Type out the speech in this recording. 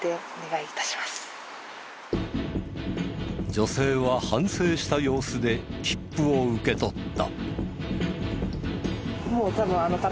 女性は反省した様子で切符を受け取った。